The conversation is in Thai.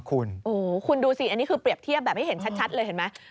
คุณดูสิอันนี้คือเปรียบเทียบแบบให้เห็นชัดเลยเห็นไหม